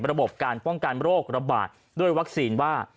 ระบบการป้องกันโรคระบาดด้วยวัคซีนว่า